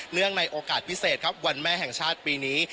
ในโอกาสพิเศษครับวันแม่แห่งชาติปีนี้